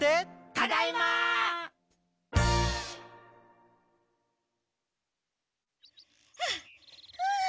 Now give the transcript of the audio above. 「ただいま！」はあふっ！